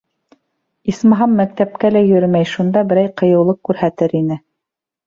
Исмаһам, мәктәпкә лә йөрөмәй, шунда берәй ҡыйыулыҡ күрһәтер ине.